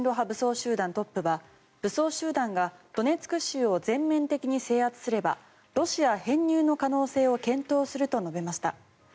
武装集団トップは武装集団がドネツク州を全面的に制圧すればロシア編入の可能性を検討すると述べました。